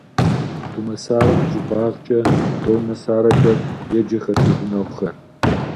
Думэсарэ нэщӏыбагъкӏэ «Доннэ Саракӏэ» еджэхэрт и гъунэгъухэр.